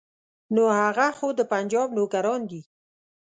نو هغه خو د پنجاب نوکران دي.